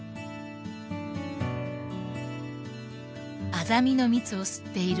［アザミの蜜を吸っている